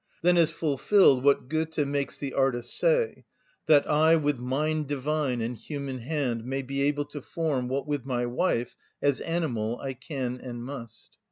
Then is fulfilled what Goethe makes the artist say— "That I with mind divine And human hand May be able to form What with my wife, As animal, I can and must."